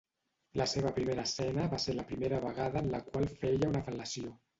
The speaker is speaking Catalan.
La seva primera escena va ser la primera vegada en la qual feia una fel·lació.